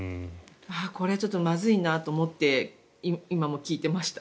これはまずいなと思って今も聞いていました。